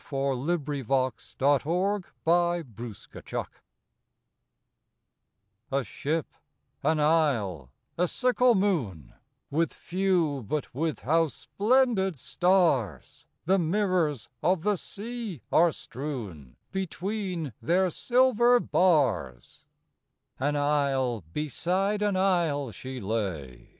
174 A Ship^ an Isle, a Sickle Moon A ship, an isle, a sickle moon — With few but with how splendid stars The mirrors of the sea are strewn Between their silver bars ! An isle beside an isle she lay.